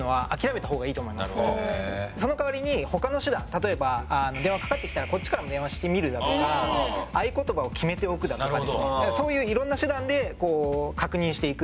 例えば電話かかってきたらこっちからも電話してみるだとか合言葉を決めておくだとかそういういろんな手段で確認していく。